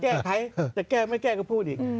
แก้ไขจะแก้ไม่แก้ก็พูดอีก